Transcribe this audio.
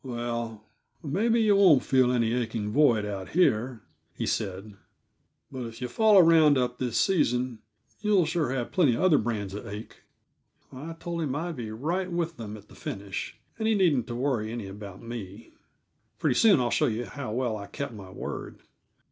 "Well, maybe yuh won't feel any aching void out here," he said, "but if yuh follow round up this season you'll sure have plenty of other brands of ache." I told him I'd be right with them at the finish, and he needn't to worry any about me. Pretty soon I'll show you how well I kept my word.